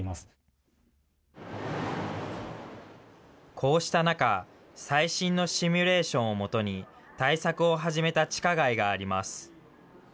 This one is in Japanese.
こうした中、最新のシミュレーションを基に、対策を始めた地下街があります。